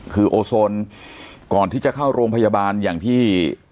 คือโอโซนก่อนที่จะเข้าโรงพยาบาลอย่างที่